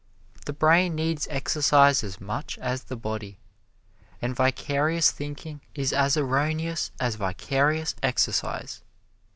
The brain needs exercise as much as the body, and vicarious thinking is as erroneous as vicarious exercise.